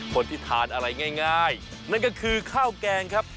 คนที่ทานอะไรง่ายนั่นก็คือข้าวแกงครับ